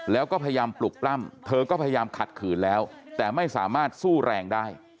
แล้วก็พยายามปลุกปล้ำเธอก็พยายามขัดขืนแล้วแต่ไม่สามารถสู้แรงได้